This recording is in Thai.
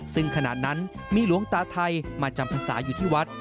ซึ่งขณะนั้นมีหลวงตาไทยมาจำพรรษาอยู่ที่วัด